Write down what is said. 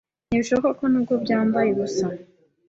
Ntibishoboka nubwo byambaye ubusa